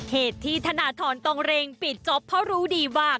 เหตุที่ธนทรต้องเร็งปิดจ๊อปเพราะรู้ดีว่า